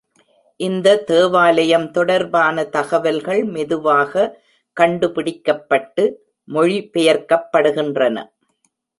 இந்த தேவாலயம் தொடர்பான தகவல்கள் மெதுவாக 'கண்டுபிடிக்கப்பட்டு' மொழிபெயர்க்கப்படுகின்றன.